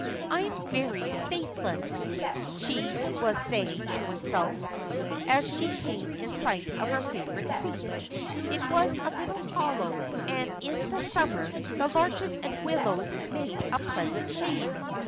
"I am very faithless," she was saying to herself, as she came in sight of her favourite seat. It was in a little hollow, and in the summer the larches and willows made a pleasant shade.